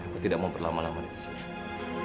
aku tidak mau berlama lama disini